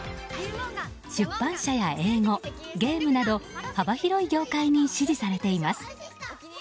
出版社や英語、ゲームなど幅広い業界に支持されています。